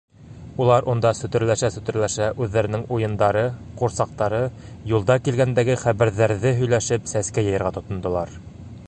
Улар унда сүтерләшә-сүтерләшә үҙҙәренең уйындары, ҡурсаҡтары, юлда килгәндәге хәбәрҙәрҙе һөйләшеп сәскә йыйырға тотондолар.